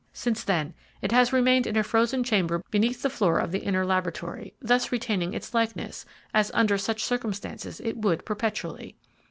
Since then it has remained in a frozen chamber beneath the floor of the inner laboratory, thus retaining its likeness, as under such circumstances it would perpetually.